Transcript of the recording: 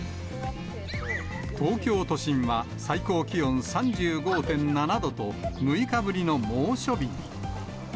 東京都心は最高気温３５．７度と、６日ぶりの猛暑日に。